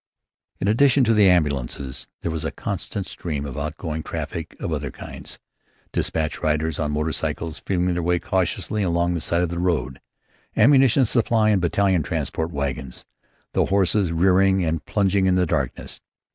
In addition to the ambulances there was a constant stream of outgoing traffic of other kinds: dispatch riders on motor cycles, feeling their way cautiously along the side of the road; ammunition supply and battalion transport wagons, the horses rearing and plunging in the darkness.